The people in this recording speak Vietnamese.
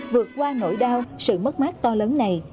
vượt qua nỗi đau sự mất mát to lớn này